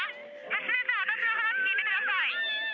娘さん、私の話を聞いてください。